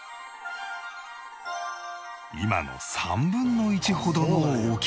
今の３分の１ほどの大きさ